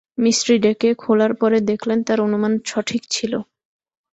মিস্ত্রি ডেকে খোলার পরে দেখলেন তাঁর অনুমান সঠিক ছিল।